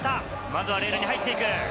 まずはレールに入っていく。